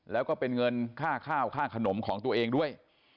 แล้วก็เป็นเงินค่าข้าวค่าขนมของตัวเองด้วย